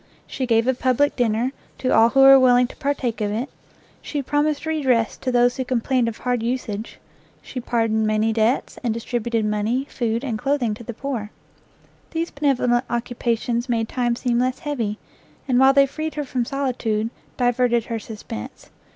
She gave a public dinner to all who were willing to partake of it, she promised redress to those who complained of hard usage, she pardoned many debts, and distributed money, food, and clothing to the poor. These benevolent occupations made time seem less heavy, and while they freed her from solitude, diverted her suspense.